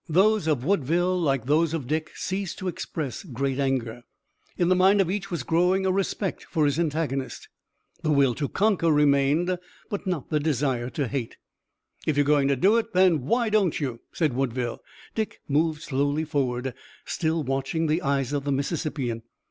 Those of Woodville like those of Dick ceased to express great anger. In the mind of each was growing a respect for his antagonist. The will to conquer remained, but not the desire to hate. "If you're going to do it, then why don't you?" said Woodville. Dick moved slowly forward, still watching the eyes of the Mississippian.